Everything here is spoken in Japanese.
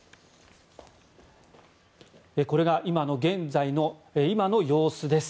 これが今の様子です。